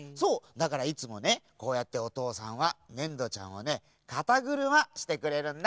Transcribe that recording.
だからいつもねこうやっておとうさんはねんどちゃんをねかたぐるましてくれるんだ！